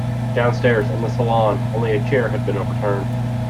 Downstairs, in the salon, only a chair had been overturned.